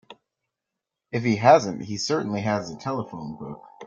If he hasn't he certainly has a telephone book.